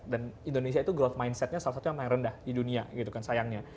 dan indonesia itu growth mindset nya salah satu yang paling rendah di dunia gitu kan sayangnya